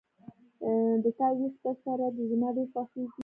د تا وېښته سره ده زما ډیر خوښیږي